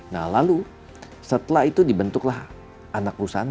nah lalu setelah itu dibentuklah anak perusahaan